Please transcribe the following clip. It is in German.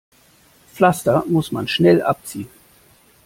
Pflaster muss man schnell abziehen.